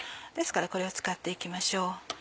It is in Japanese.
ですからこれを使って行きましょう。